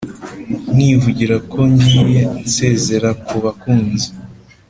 nkivugira ko ngiye nsezera ku bakunzi?